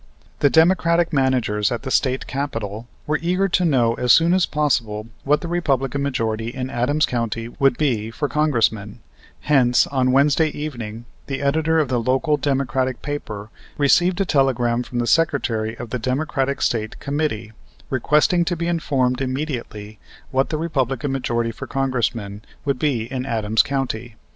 The Democratic managers at the State Capital were eager to know as soon as possible what the Republican majority in Adams County would be for Congressman, hence, on Wednesday evening, the editor of the local Democratic paper received a telegram from the Secretary of the Democratic State Committee, requesting to be informed immediately what the Republican majority for Congressman would be in Adams County.